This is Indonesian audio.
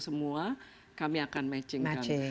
semua kami akan matchingkan